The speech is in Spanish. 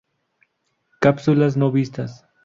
Cápsulas no vistas.